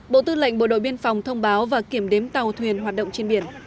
bộ tư lệnh bộ đội biên phòng thông báo và kiểm đếm tàu thuyền hoạt động trên biển